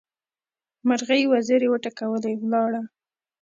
مرغۍ وزرې وټکولې؛ ولاړه.